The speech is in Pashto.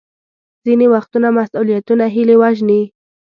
ځینې وختونه مسوولیتونه هیلې وژني.